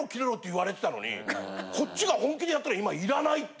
こっちが本気でやったら今要らないって。